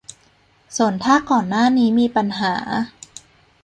ส่วนถ้าก่อนหน้านี้มีปัญหา